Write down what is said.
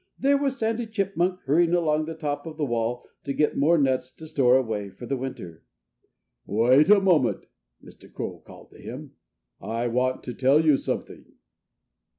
there was Sandy Chipmunk, hurrying along the top of the wall, to get more nuts to store away for the winter. "Wait a moment!" Mr. Crow called to him. "I want to tell you something."